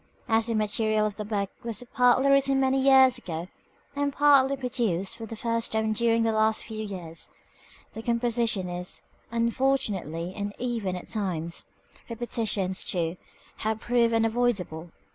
As the material of the book was partly written many years ago, and partly produced for the first time during the last few years, the composition is, unfortunately, uneven at times; repetitions, too, have proved unavoidable.